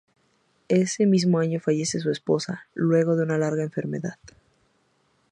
Ese mismo año fallece su esposa, luego de una larga enfermedad.